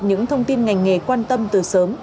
những thông tin ngành nghề quan tâm từ sớm